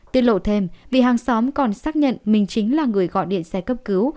tiết lộ thêm vì hàng xóm còn xác nhận mình chính là người gọi điện xe cấp cứu